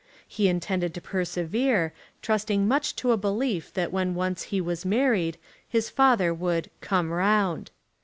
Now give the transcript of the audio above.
He intended to persevere, trusting much to a belief that when once he was married his father would "come round."